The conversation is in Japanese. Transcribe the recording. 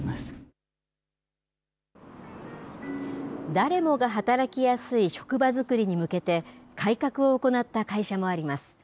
誰もが働きやすい職場作りに向けて、改革を行った会社もあります。